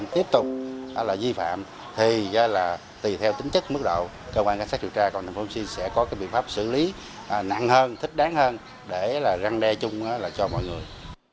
tùy theo tính chất mức độ công an tp long xuyên sẽ có biểu pháp xử lý nặng hơn thích đáng hơn để răn đe chung cho mọi người